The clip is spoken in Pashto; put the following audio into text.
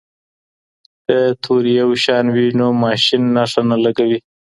که توري یو شان وي نو ماشین نښه نه لګوي.